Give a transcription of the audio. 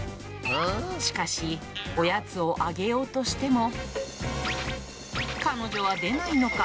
しかし、おやつをあげようとしても、彼女は出ないのか？